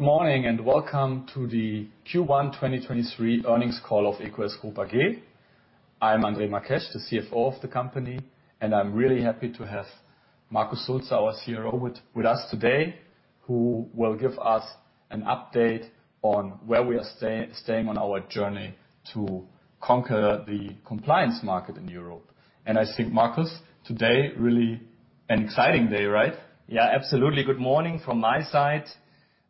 Good morning, welcome to the Q1 2023 earnings call of EQS Group AG. I'm André Marques, the CFO of the company, and I'm really happy to have Marcus Sultzer, our CRO with us today, who will give us an update on where we are staying on our journey to conquer the compliance market in Europe. I think, Marcus, today really an exciting day, right? Yeah, absolutely. Good morning from my side.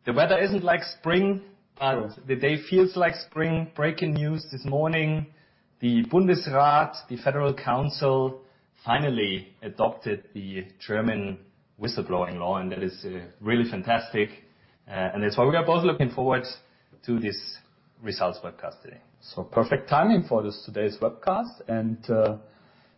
The weather isn't like spring-. No The day feels like spring. Breaking news this morning, the Bundesrat, the Federal Council, finally adopted the German whistleblowing law, and that is really fantastic. That's why we are both looking forward to this results webcast today. Perfect timing for this today's webcast and,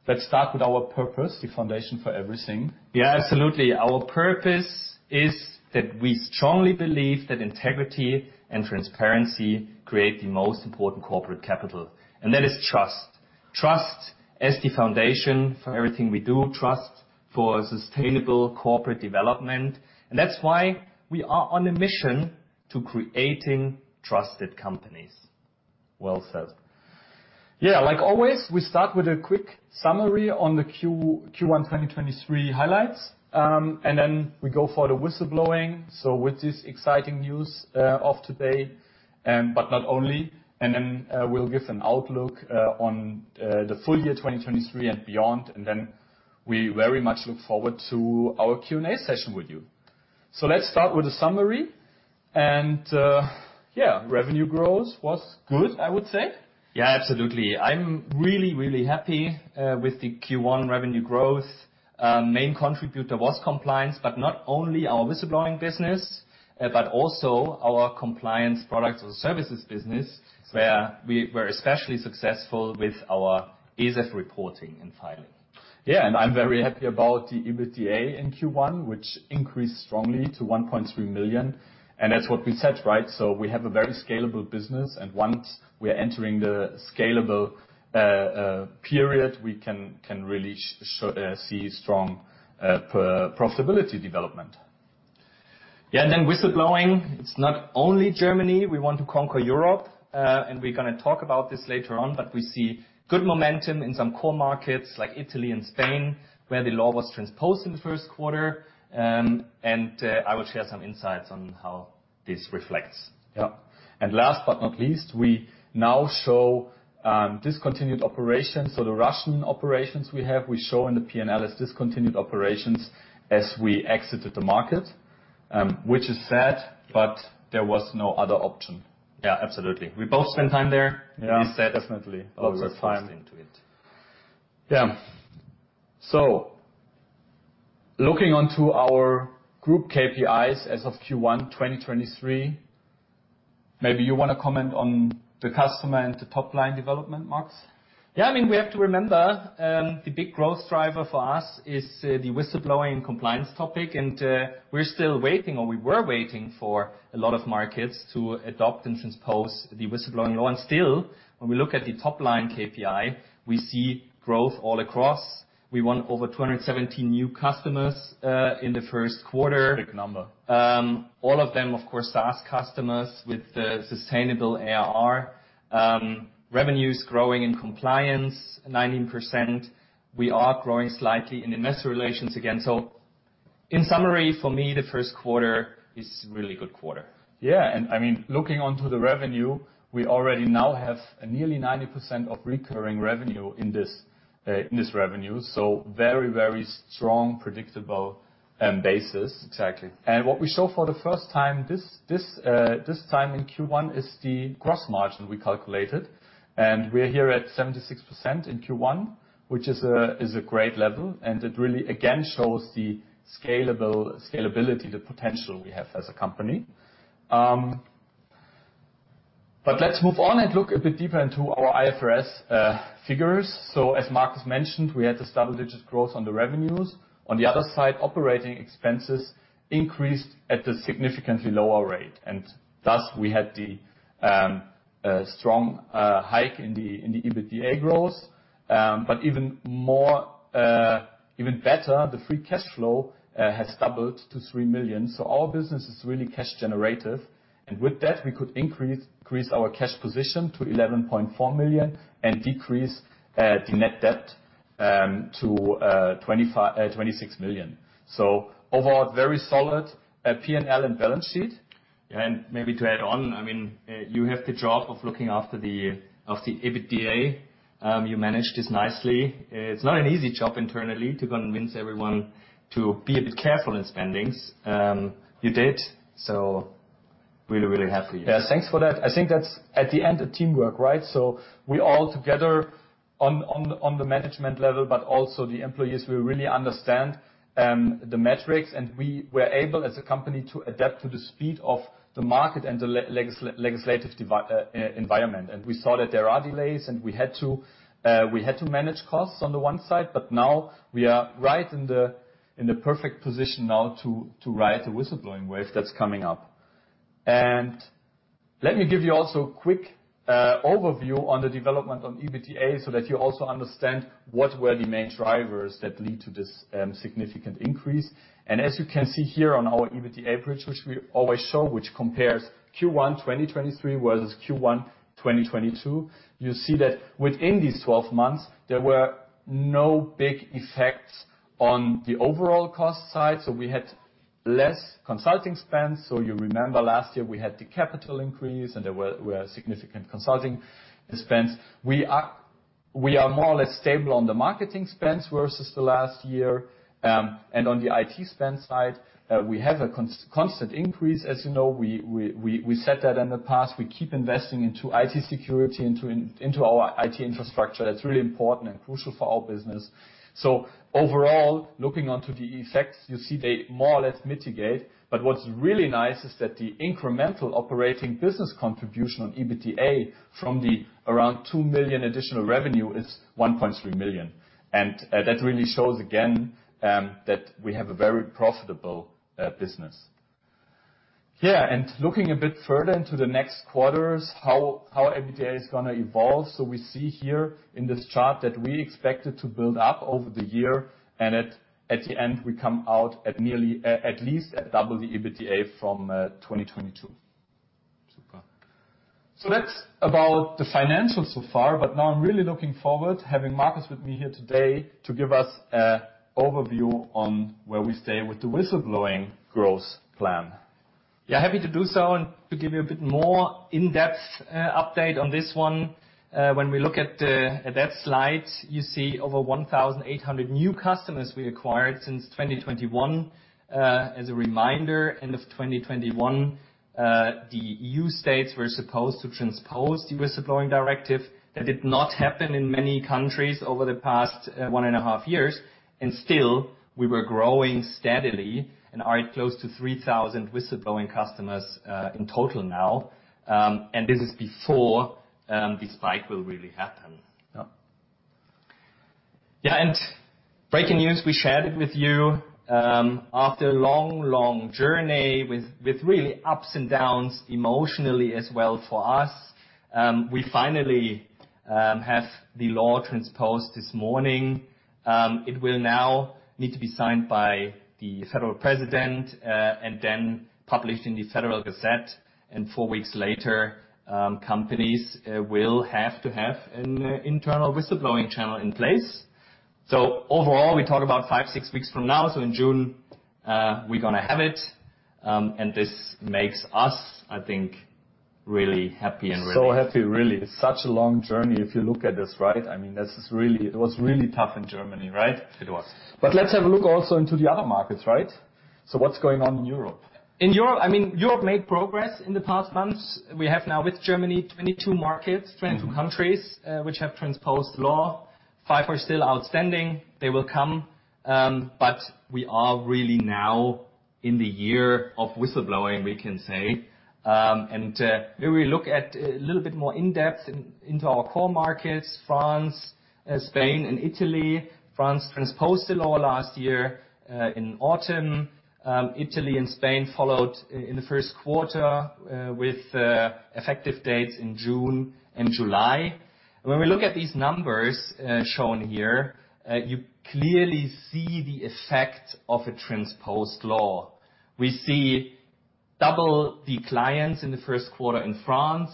let's start with our purpose, the foundation for everything. Yeah, absolutely. Our purpose is that we strongly believe that integrity and transparency create the most important corporate capital, and that is trust. Trust as the foundation for everything we do, trust for sustainable corporate development, and that's why we are on a mission to creating trusted companies. Well said. Yeah, like always, we start with a quick summary on the Q1 2023 highlights, and then we go for the whistleblowing, so with this exciting news of today, but not only. Then, we'll give an outlook on the full year 2023 and beyond. Then we very much look forward to our Q&A session with you. Let's start with a summary. Yeah, revenue growth was good, I would say. Absolutely. I'm really happy with the Q1 revenue growth. Main contributor was compliance, but not only our whistleblowing business, but also our compliance products or services business, where we were especially successful with our ESEF reporting and filing. Yeah, and I'm very happy about the EBITDA in Q1, which increased strongly to 1.3 million. That's what we said, right? We have a very scalable business, and once we are entering the scalable period, we can really see strong profitability development. Whistleblowing. It's not only Germany. We want to conquer Europe, and we're gonna talk about this later on. We see good momentum in some core markets like Italy and Spain, where the law was transposed in the first 1/4. I will share some insights on how this reflects. Yeah. Last but not least, we now show discontinued operations. The Russian operations we have, we show in the P&L as discontinued operations as we exited the market, which is sad, but there was no other option. Yeah, absolutely. We both spent time there. Yeah. It is sad. Definitely. A lot of time. We're responding to it. Yeah. Looking onto our group KPIs as of Q1 2023, maybe you wanna comment on the customer and the top-line development, Marcus. Yeah. I mean, we have to remember, the big growth driver for us is the whistleblowing and compliance topic. We're still waiting or we were waiting for a lot of markets to adopt and transpose the whistleblowing law. Still, when we look at the top-line KPI, we see growth all across. We won over 217 new customers, in the first 1/4. Big number. All of them, of course, SaaS customers with a sustainable ARR. Revenues growing in compliance 19%. We are growing slightly in investor relations again. In summary, for me, the first 1/4 is a really good 1/4. Yeah. I mean, looking onto the revenue, we already now have nearly 90% of recurring revenue in this, in this revenue. Very, very strong, predictable, basis. Exactly. What we show for the first time this time in Q1 is the gross margin we calculated. We're here at 76% in Q1, which is a great level and it really again shows the scalability, the potential we have as a company. Let's move on and look a bit deeper into our IFRS figures. As Marcus mentioned, we had this double-digit growth on the revenues. On the other side, operating expenses increased at a significantly lower rate, and thus we had the strong hike in the EBITDA growth. Even better, the free cash flow has doubled to 3 million. Our business is really cash generative. With that, we could increase our cash position to 11.4 million and decrease the net debt to 26 million. Overall, very solid P&L and balance sheet. Maybe to add on, I mean, you have the job of looking after the EBITDA. You managed this nicely. It's not an easy job internally to convince everyone to be a bit careful in spendings. You did, so really, really happy. Yeah. Thanks for that. I think that's at the end a teamwork, right? We all together on, on the management level, but also the employees, we really understand the metrics, and we were able as a company to adapt to the speed of the market and the legislative environment. We saw that there are delays, and we had to manage costs on the 1 side, but now we are right in the, in the perfect position now to ride the whistleblowing wave that's coming up. Let me give you also a quick overview on the development on EBITDA, so that you also understand what were the main drivers that lead to this significant increase. As you can see here on our EBITDA bridge, which we always show, which compares Q1 2023 versus Q1 2022, you see that within these 12 months, there were no big effects on the overall cost side, so we had less consulting spends. You remember last year we had the capital increase, and there were significant consulting spends. We are more or less stable on the marketing spends versus the last year. On the IT spend side, we have a constant increase. As you know, we said that in the past. We keep investing into IT security, into our IT infrastructure. That's really important and crucial for our business. Overall, looking onto the effects, you see they more or less mitigate. What's really nice is that the incremental operating business contribution on EBITDA from the around 2 million additional revenue is 1.3 million. That really shows again that we have a very profitable business. Looking a bit further into the next 1/4s, how EBITDA is gonna evolve. We see here in this chart that we expect it to build up over the year, and at the end, we come out at least at double the EBITDA from 2022. Super. That's about the financials so far, but now I'm really looking forward having Marcus with me here today to give us an overview on where we stay with the whistleblowing growth plan. Yeah, happy to do so, to give you a bit more in-depth update on this 1. When we look at that slide, you see over 1,800 new customers we acquired since 2021. As a reminder, end of 2021, the EU states were supposed to transpose the Whistleblowing Directive. That did not happen in many countries over the past 1 and a 1/2 years. Still, we were growing steadily and are close to 3,000 whistleblowing customers in total now. This is before this spike will really happen. Yeah. Yeah. Breaking news, we shared it with you. After a long journey with really ups and downs emotionally as well for us, we finally have the law transposed this morning. It will now need to be signed by the federal president and then published in the Federal Gazette. 4 weeks later, companies will have to have an internal whistleblowing channel in place. Overall, we talk about 5, 6 weeks from now. In June, we're gonna have it. This makes us, I think, really happy and really- Happy, really. It's such a long journey if you look at this, right? I mean, this is really... It was really tough in Germany, right? It was. Let's have a look also into the other markets, right? What's going on in Europe? In Europe made progress in the past months. We have now with Germany, 22 markets, 22 countries, which have transposed law. Five are still outstanding. They will come. We are really now in the year of whistleblowing, we can say. May we look at a little bit more in-depth into our core markets, France, Spain and Italy. France transposed the law last year in autumn. Italy and Spain followed in the first 1/4 with effective dates in June and July. When we look at these numbers, you clearly see the effect of a transposed law. We see double the clients in the first 1/4 in France.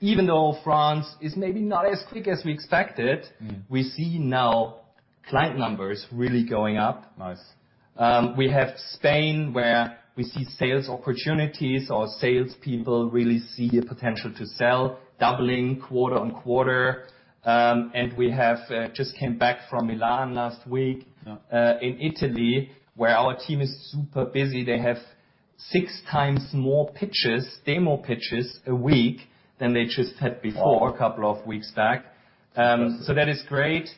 Even though France is maybe not as quick as we expected. Mm. We see now client numbers really going up. Nice. We have Spain, where we see sales opportunities or sales people really see a potential to sell, doubling 1/4-on-1/4. We have, just came back from Milan last week. Yeah. In Italy, where our team is super busy, they have 6 times more pitches, demo pitches a week than they just had before. Wow. A couple of weeks back. That is great.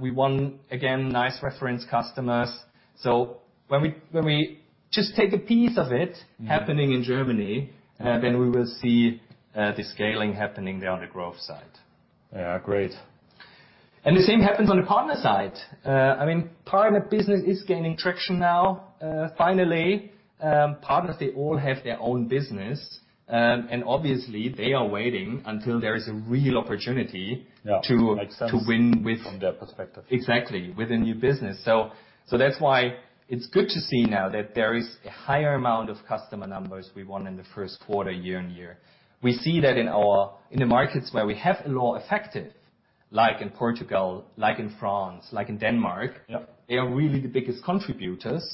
We won again, nice reference customers. When we just take a piece of it. Mm. happening in Germany, then we will see the scaling happening there on the growth side. Yeah, great. The same happens on the partner side. I mean, partner business is gaining traction now. Finally, partners, they all have their own business. Obviously, they are waiting until there is a real opportunity. Yeah. to win with From their perspective. Exactly. With a new business. That's why it's good to see now that there is a higher amount of customer numbers we won in the first 1/4, year-on-year. We see that in our markets where we have a law effective, like in Portugal, like in France, like in Denmark. Yep. They are really the biggest contributors.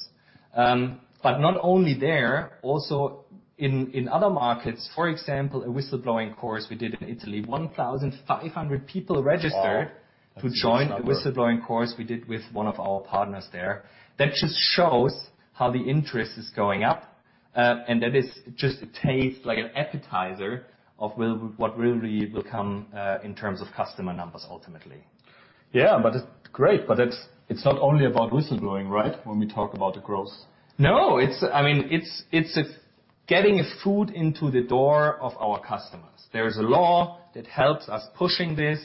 Not only there, also in other markets. For example, a whistleblowing course we did in Italy. 1,500 people registered. Wow. -to join the whistleblowing course we did with 1 of our partners there. That just shows how the interest is going up. That is just a taste, like an appetizer of what really will come, in terms of customer numbers, ultimately. Yeah. It's great. It's not only about whistleblowing, right? When we talk about the growth. No, I mean, it's Getting a foot into the door of our customers. There is a law that helps us pushing this.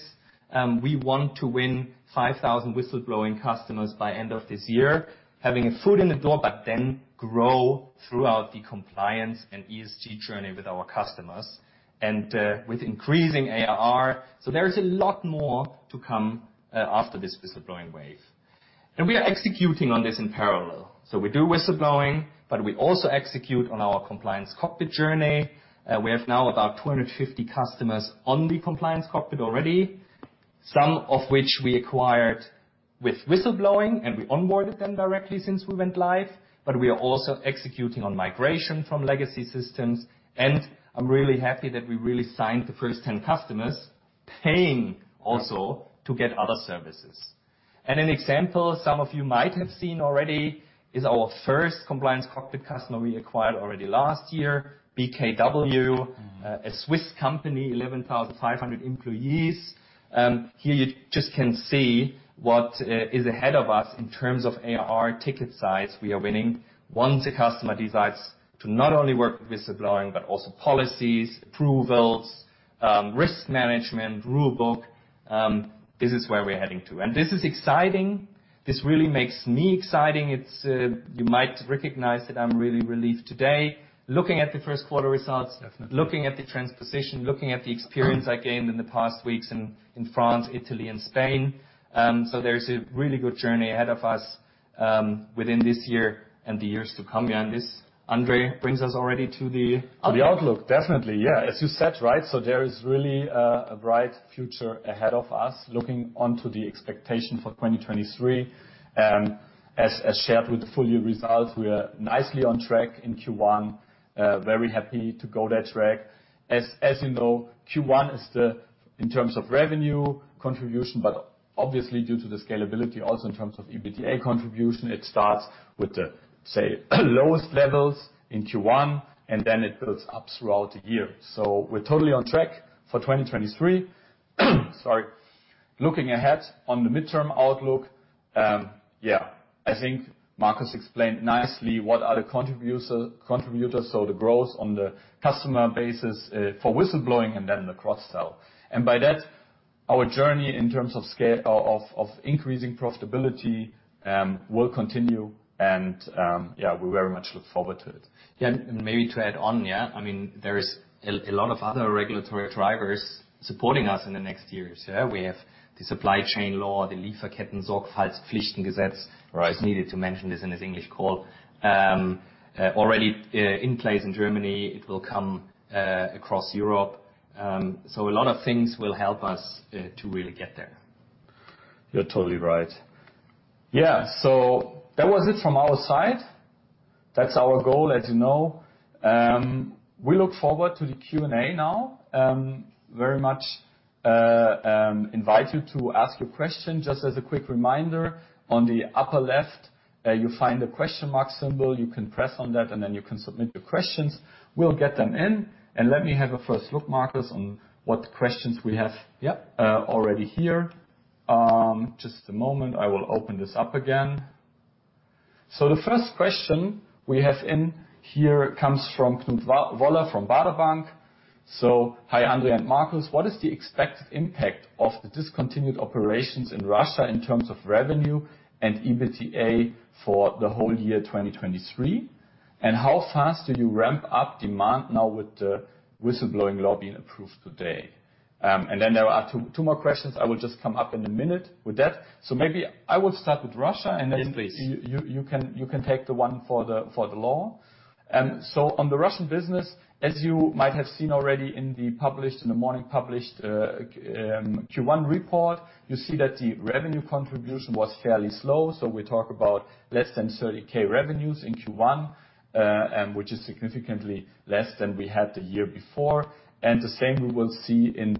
We want to win 5,000 whistleblowing customers by end of this year. Having a foot in the door, grow throughout the compliance and ESG journey with our customers and with increasing ARR. There is a lot more to come after this whistleblowing wave. We are executing on this in parallel. We do whistleblowing, but we also execute on our Compliance COCKPIT journey. We have now about 250 customers on the Compliance COCKPIT already, some of which we acquired with whistleblowing, and we onboarded them directly since we went live. We are also executing on migration from legacy systems. I'm really happy that we really signed the first 10 customers paying also to get other services. An example some of you might have seen already is our first Compliance COCKPIT customer we acquired already last year, BKW, a Swiss company, 11,500 employees. Here you just can see what is ahead of us in terms of ARR ticket size we are winning. Once a customer decides to not only work with whistleblowing, but also policies, approvals, risk management, rule book, this is where we're heading to. This is exciting. This really makes me exciting. It's, you might recognize that I'm really relieved today. Looking at the first 1/4 results- Definitely. Looking at the transposition, looking at the experience I gained in the past weeks in France, Italy and Spain. There's a really good journey ahead of us within this year and the years to come. This, André, brings us already to the outlook. To the outlook. Definitely, yeah. As you said, right, there is really a bright future ahead of us. Looking onto the expectation for 2023, as shared with the full year results, we are nicely on track in Q1. Very happy to go that track. As you know, Q1 is in terms of revenue contribution, but obviously due to the scalability also in terms of EBITDA contribution, it starts with say, lowest levels in Q1, and then it builds up throughout the year. We're totally on track for 2023. Sorry. Looking ahead on the midterm outlook, yeah, I think Marcus Sultzer explained nicely what are the contributor. The growth on the customer basis for whistleblowing and then the cross-sell. By that, our journey in terms of increasing profitability will continue. Yeah, we very much look forward to it. Maybe to add on, yeah, I mean, there is a lot of other regulatory drivers supporting us in the next years. We have the Supply Chain Act, the Lieferkettensorgfaltspflichtengesetz. Right. I just needed to mention this in this English call. already in place in Germany. It will come across Europe. A lot of things will help us to really get there. You're totally right. Yeah. That was it from our side. That's our goal as you know. We look forward to the Q&A now. Very much invite you to ask your question. Just as a quick reminder, on the upper left, you'll find the question mark symbol. You can press on that, and then you can submit your questions. We'll get them in. Let me have a first look, Marcus, on what questions we have. Yeah... already here. Just a moment. I will open this up again. The first question we have in here comes from Knut Woller from Baader Bank. "Hi, André and Marcus. What is the expected impact of the discontinued operations in Russia in terms of revenue and EBITDA for the whole year 2023? How fast do you ramp up demand now with the whistleblowing law being approved today?" Then there are 2 more questions. I will just come up in a minute with that. Maybe I will start with Russia- Yes, please. Then you can take the 1 for the law. On the Russian business, as you might have seen already in the morning published Q1 report, you see that the revenue contribution was fairly slow. We talk about less than 30K revenues in Q1, and which is significantly less than we had the year before. The same we will see in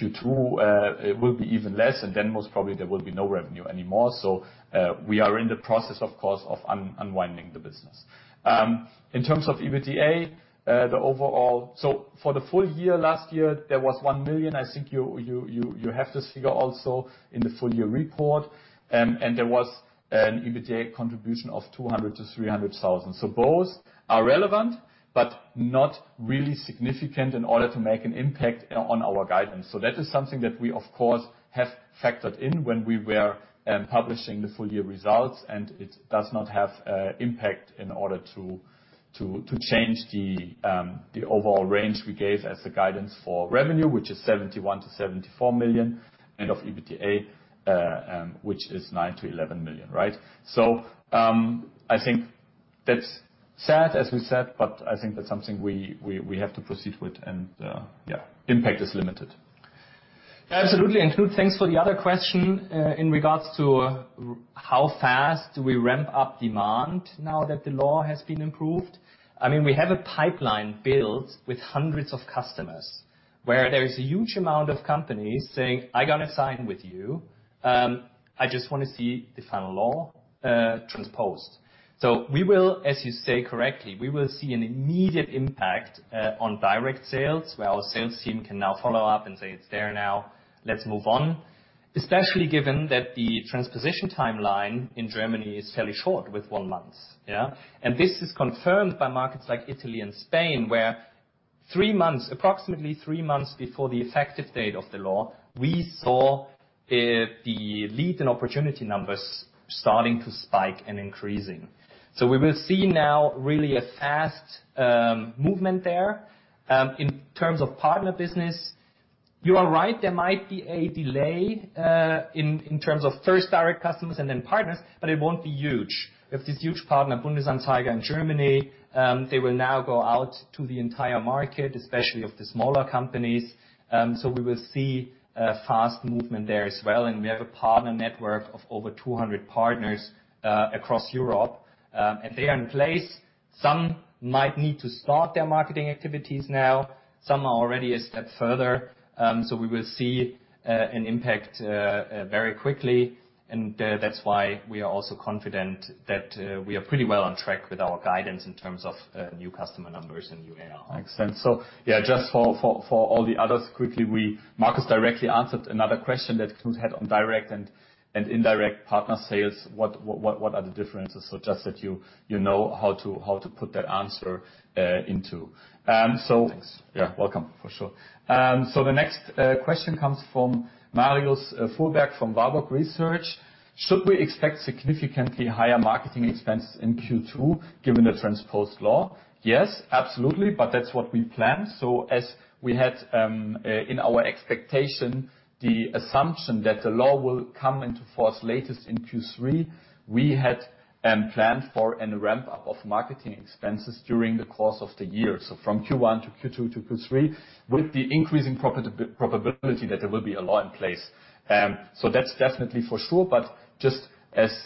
Q2. It will be even less, and then most probably there will be no revenue anymore. We are in the process, of course, of unwinding the business. In terms of EBITDA. For the full year last year, there was 1 million. I think you have this figure also in the full year report. There was an EBITDA contribution of 200,000-300,000. Both are relevant, but not really significant in order to make an impact on our guidance. That is something that we, of course, have factored in when we were publishing the full year results, and it does not have impact in order to change the overall range we gave as the guidance for revenue, which is 71 million-74 million, and of EBITDA, which is 9 million-11 million. Right? I think that's sad, as we said, but I think that's something we have to proceed with and, yeah, impact is limited. Absolutely. Knut, thanks for the other question. In regards to how fast do we ramp up demand now that the law has been improved? I mean, we have a pipeline built with hundreds of customers where there is a huge amount of companies saying, "I'm gonna sign with you. I just wanna see the final law transposed." We will, as you say correctly, we will see an immediate impact on direct sales, where our sales team can now follow up and say, "It's there now. Let's move on." Especially given that the transposition timeline in Germany is fairly short with 1 month. Yeah? This is confirmed by markets like Italy and Spain, where 3 months, approximately 3 months before the effective date of the law, we saw the lead and opportunity numbers starting to spike and increasing. We will see now really a fast movement there. In terms of partner business, you are right, there might be a delay in terms of first direct customers and then partners, but it won't be huge. We have this huge partner, Bundesanzeiger in Germany, they will now go out to the entire market, especially of the smaller companies. We will see a fast movement there as well. We have a partner networkrk of over 200 partners across Europe, and they are in place. Some might need to start their marketing activities now, some are already a step further. We will see an impact very quickly, and that's why we are also confident that we are pretty well on track with our guidance in terms of new customer numbers and new ARR. I understand. Yeah, just for all the others, quickly, Marcus directly answered another question that Klaus had on direct and indirect partner sales. What are the differences? Just that you know how to put that answer into. Thanks. Yeah, welcome. For sure. The next question comes from Marius Fuhrberg from Warburg Research. Should we expect significantly higher marketing expenses in Q2 given the transposed law? Yes, absolutely. That's what we plan. As we had in our expectation, the assumption that the law will come into force latest in Q3, we had planned for a ramp-up of marketing expenses during the course of the year. From Q1 to Q2 to Q3, with the increasing probability that there will be a law in place. That's definitely for sure. Just as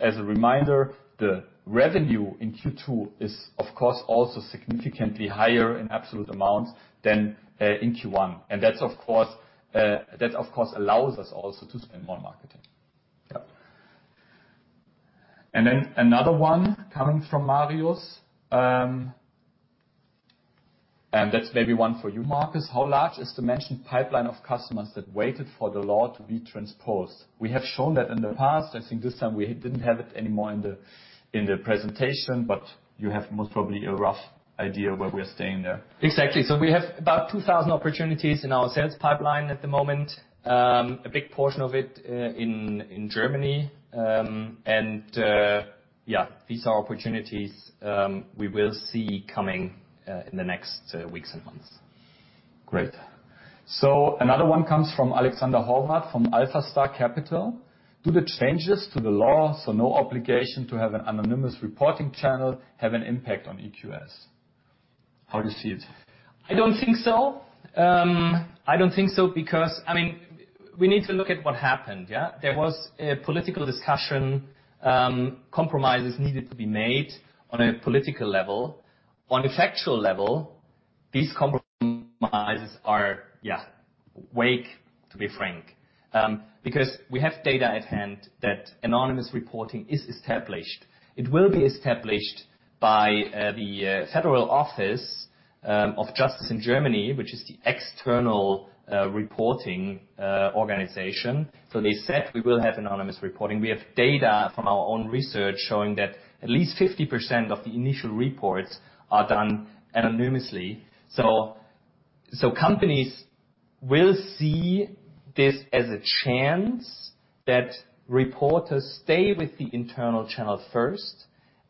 a reminder, the revenue in Q2 is of course also significantly higher in absolute amounts than in Q1. That's of course, that of course allows us also to spend more on marketing. Yeah. Another 1 coming from Marius, and that's maybe 1 for you, Marcus. How large is the mentioned pipeline of customers that waited for the law to be transposed? We have shown that in the past. I think this time we didn't have it anymore in the presentation, but you have most probably a rough idea where we are staying there. Exactly. We have about 2,000 opportunities in our sales pipeline at the moment. A big portion of it in Germany. Yeah, these are opportunities we will see coming in the next weeks and months. Great. Another 1 comes from Alexander Hauer from AlphaStar Capital. Do the changes to the law, so no obligation to have an anonymous reporting channel, have an impact on EQS? How do you see it? I don't think so. I don't think so because, I mean, we need to look at what happened. There was a political discussion. Compromises needed to be made on a political level. On a factual level, these compromises are weak, to be frank. Because we have data at hand that anonymous reporting is established. It will be established by the Federal Office of Justice in Germany, which is the external reporting organization. They said we will have anonymous reporting. We have data from our own research showing that at least 50% of the initial reports are done anonymously. Companies will see this as a chance that reporters stay with the internal channel first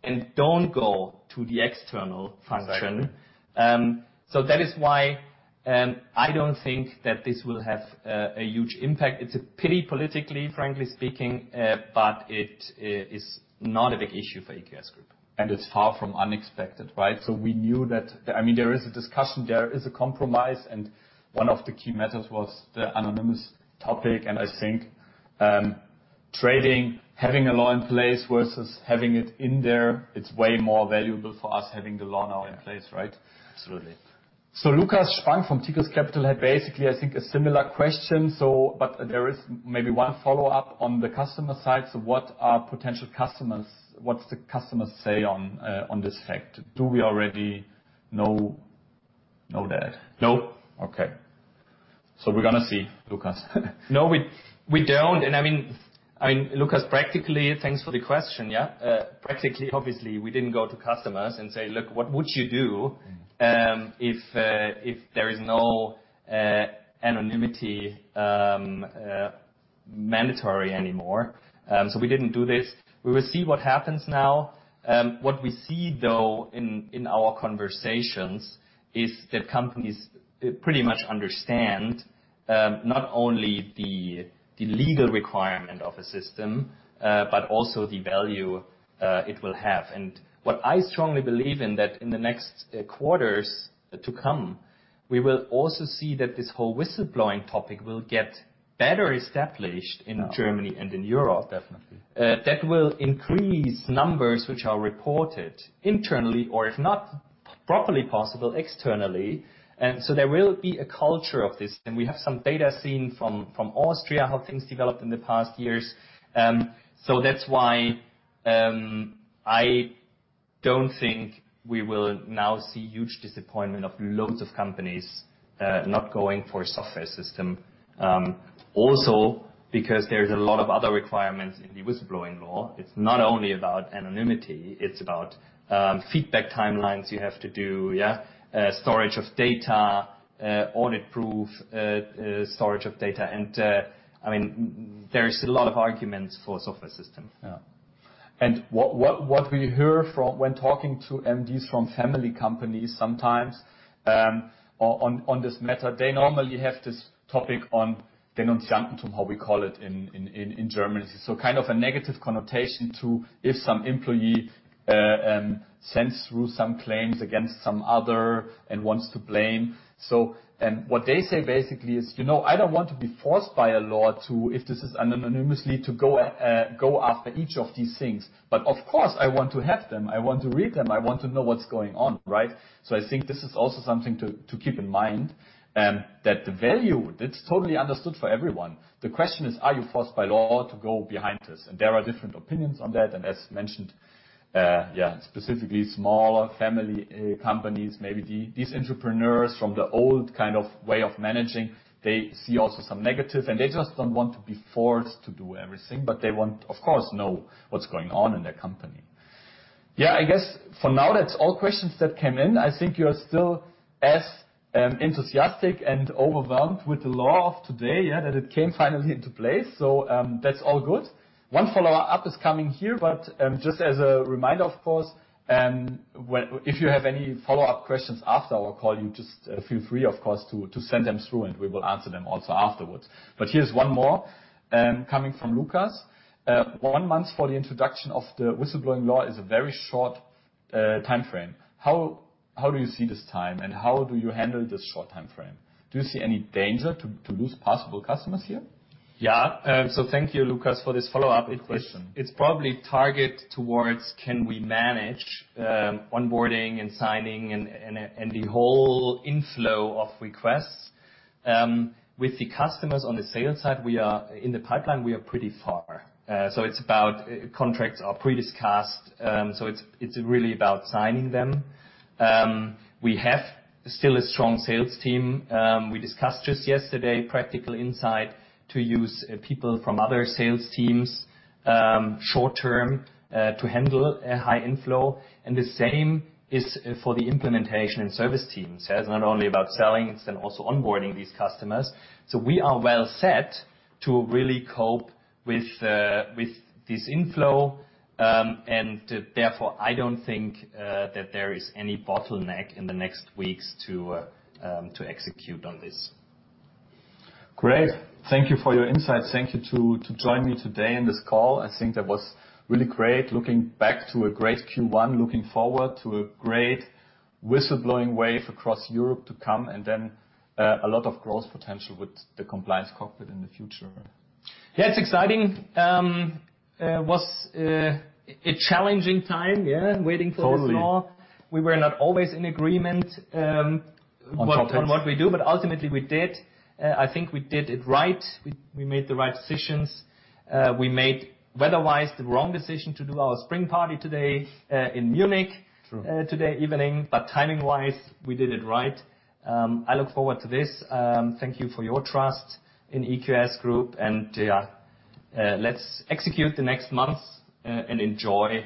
and don't go to the external function. That is why I don't think that this will have a huge impact. It's a pity politically, frankly speaking, but it's not a big issue for EQS Group. It's far from unexpected, right? We knew that I mean, there is a discussion, there is a compromise, and 1 of the key matters was the anonymous topic. I think, trading, having a law in place versus having it in there, it's way more valuable for us having the law now in place, right? Absolutely. Lukas Spang from Tigris Capital had basically, I think, a similar question. There is maybe 1 follow-up on the customer side. What's the customers say on this fact? Do we already know that? No. Okay. We're gonna see, Lukas. No, we don't. I mean, Lukas, practically, thanks for the question, yeah. Practically, obviously, we didn't go to customers and say, "Look, what would you do if there is no anonymity mandatory anymore?" We didn't do this. We will see what happens now. What we see, though, in our conversations is that companies pretty much understand not only the legal requirement of a system, but also the value it will have. What I strongly believe in that in the next 1/4s to come, we will also see that this whole whistleblowing topic will get better established in Germany and in Europe. Most definitely. That will increase numbers which are reported internally or if not properly possible externally. There will be a culture of this. We have some data seen from Austria, how things developed in the past years. So that's why I don't think we will now see huge disappointment of loads of companies not going for a software system. Also because there's a lot of other requirements in the whistleblowing law. It's not only about anonymity, it's about feedback timelines you have to do. Storage of data, audit proof storage of data. I mean, there is a lot of arguments for software system. Yeah. What we hear from when talking to MDs from family companies sometimes, on this matter, they normally have this topic on Denunzianten, how we call it in Germany. Kind of a negative connotation to, if some employee sends through some claims against some other and wants to blame. What they say basically is, "You know, I don't want to be forced by a law to, if this is anonymously, to go after each of these things. Of course, I want to have them. I want to read them. I want to know what's going on, right?" I think this is also something to keep in mind. That the value that's totally understood for everyone. The question is, are you forced by law to go behind this? There are different opinions on that. As mentioned, specifically smaller family companies, maybe these entrepreneurs from the old kind of way of managing, they see also some negatives, and they just don't want to be forced to do everything, but they want, of course, know what's going on in their company. I guess for now, that's all questions that came in. I think you're still as enthusiastic and overwhelmed with the law of today that it came finally into place. That's all good.1 follow-up is coming here, just as a reminder, of course, if you have any follow-up questions after our call, you just feel free, of course, to send them through and we will answer them also afterwards. Here's 1 more coming from Lucas. 1 month for the introduction of the whistleblowing law is a very short timeframe. How do you see this time, how do you handle this short timeframe? Do you see any danger to lose possible customers here? Yeah. Thank you, Lukas, for this follow-up question. It's probably target towards can we manage onboarding and signing and the whole inflow of requests. With the customers on the sales side, we are in the pipeline, we are pretty far. It's about contracts are pre-discussed, it's really about signing them. We have still a strong sales team. We discussed just yesterday practical insight to use people from other sales teams, short-term, to handle a high inflow. The same is for the implementation and service teams. It's not only about selling, it's then also onboarding these customers. We are well set to really cope with this inflow. Therefore, I don't think that there is any bottleneck in the next weeks to execute on this. Great. Thank you for your insights. Thank you to join me today in this call. I think that was really great looking back to a great Q1, looking forward to a great whistleblowing wave across Europe to come, a lot of growth potential with the compliance Cockpit in the future. Yeah, it's exciting. Was a challenging time. Totally. waiting for this law. We were not always in agreement. On top of this. on what we do, but ultimately we did. I think we did it right. We made the right decisions. We made, weather-wise, the wrong decision to do our spring party today, in Munich. True. today evening. Timing-wise, we did it right. I look forward to this. Thank you for your trust in EQS Group. Yeah, let's execute the next month and enjoy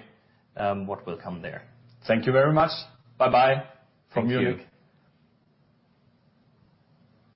what will come there. Thank you very much. Bye-bye from Munich.